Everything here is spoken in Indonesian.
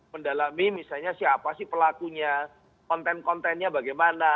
mendalami misalnya siapa sih pelakunya konten kontennya bagaimana